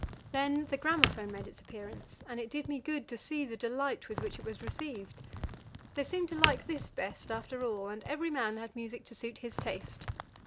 Then the gramophone made its appearance, and it did me good to see the delight with which it was received. They seemed to like this best, after all, and every man had music to suit his taste.